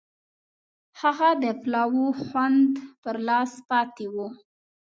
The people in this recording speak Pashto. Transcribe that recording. هغه د پلاو خوند پر لاس پاتې و.